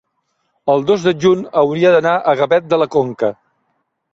el dos de juny hauria d'anar a Gavet de la Conca.